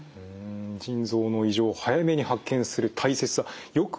腎臓の異常を早めに発見する大切さよく分かりました。